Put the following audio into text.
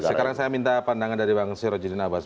baik sekarang saya minta pandangan dari bang sir jodjilin abbas